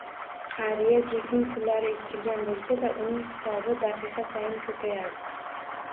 Qariya Jekning pullari eskirgan bo`lsada uning hisobi daqiqa sayin ko`payardi